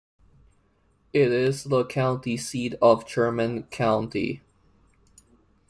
It is the county seat of Sherman County.